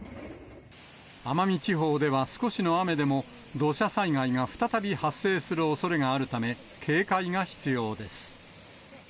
奄美地方では、少しの雨でも土砂災害が再び発生するおそれがあるため、警戒が必要です。